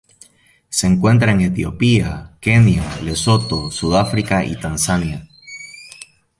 Se encuentra en Etiopía, Kenia Lesoto, Sudáfrica y Tanzania.